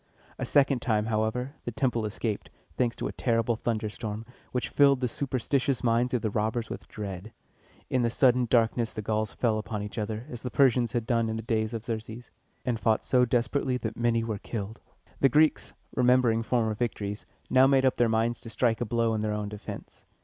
A second time, however, the temple escaped, thanks to a terrible thunderstorm, which filled the superstitious minds of the robbers with dread. In the sudden darkness the Gauls fell upon each other, as the Persians had done in the days of Xerxes, and fought so desperately that many were killed. The Greeks, remembering former victories, now made up their minds to strike a blow in their own defense.